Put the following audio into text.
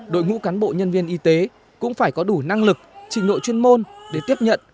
đội ngũ cán bộ nhân viên y tế cũng phải có đủ năng lực trình độ chuyên môn để tiếp nhận